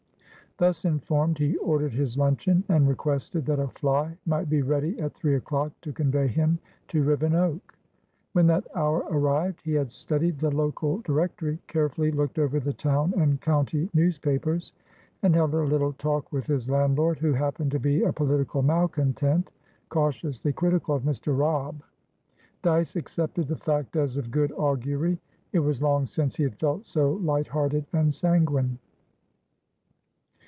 Thus informed, he ordered his luncheon, and requested that a fly might be ready at three o'clock to convey him to Rivenoak. When that hour arrived, he had studied the local directory, carefully looked over the town and county newspapers, and held a little talk with his landlord, who happened to be a political malcontent, cautiously critical of Mr. Robb. Dyce accepted the fact as of good augury. It was long since he had felt so lighthearted and sanguine.